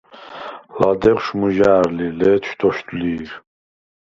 ლადეღშუ̂ მჷჟა̄̈რ ლი, ლე̄თშუ̂ – დოშდუ̂ლი̄რ.